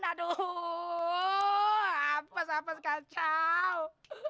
aduh hapas hapas kacau